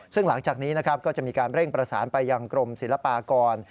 ซึ่งหลังจากนี้นะครับก็จะมีการเร่งประสานไปยังกรมศิลปากร